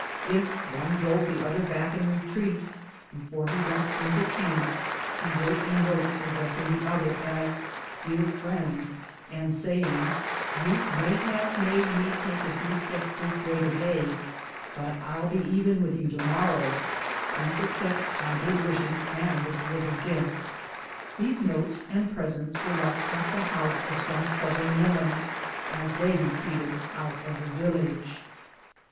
If one drove the other back in retreat, before he went into camp he wrote a note addressing the other as "dear friend," and saying, "you may have made me take a few steps thio way to day, but I'll be even witli you to morrow. Please accept my good wishes and this little gift." These notes and presents were left at the house of some Southern woman, as they retreated out of the village.